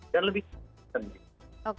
dan lebih teknis